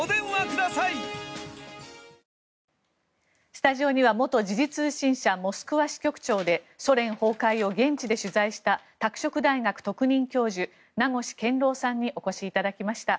スタジオには元時事通信社モスクワ支局長でソ連崩壊を現地で取材した拓殖大学特任教授名越健郎さんにお越しいただきました。